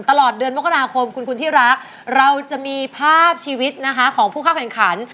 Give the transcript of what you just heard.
ตลอดเดือนมกราคมคุณที่รักเราจะมีภาพชีวิตนะคะของผู้เข้าแข่งขัน